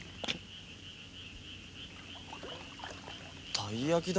たいやきだ。